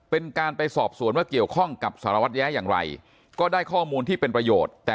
เป็นการไปสอบสวนว่าเกี่ยวข้องกับสารวัตรแย้อย่างไรก็ได้ข้อมูลที่เป็นประโยชน์